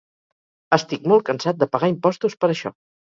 Estic molt cansat de pagar impostos per això!